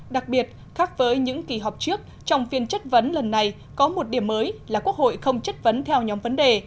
đặc biệt khác với những kỳ họp trước trong phiên chất vấn lần này có một điểm mới là quốc hội không chất vấn theo nhóm vấn đề